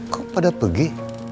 kok pada pergi